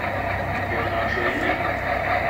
You will not ruin me?